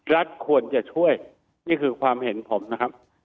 รัฐควรจะช่วยนี่คือความเห็นผมนะครับ